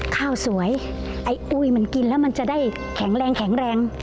ข้าวสวยไอ้อุ๊ยกินแล้วจะได้แข็งแรง